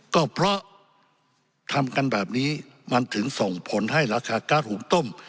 ก็เพราะทำกันแบบนี้มันถึงส่งผลให้ราคาก๊าซหุงต้ม